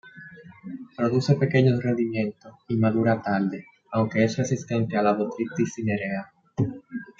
Produce pequeños rendimientos y madura tarde, aunque es resistente a la botrytis cinerea.